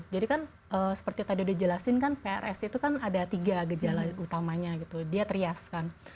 jadi kan seperti tadi sudah dijelaskan kan prs itu kan ada tiga gejala utamanya dia teriaskan